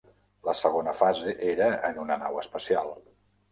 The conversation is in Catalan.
La segona fase era en una nau espacial.